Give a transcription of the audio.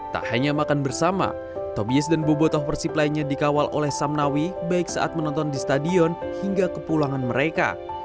tak hanya makan bersama tobies dan bobotoh persib lainnya dikawal oleh samnawi baik saat menonton di stadion hingga kepulangan mereka